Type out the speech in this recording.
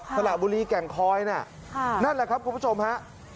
สละบุรีแก่งคอยน่ะนั่นแหละครับคุณผู้ชมฮะ